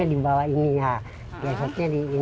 harus dibawah sini ya backcourser nya